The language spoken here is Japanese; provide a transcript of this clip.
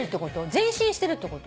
前進してるってこと？